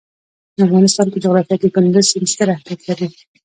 د افغانستان په جغرافیه کې کندز سیند ستر اهمیت لري.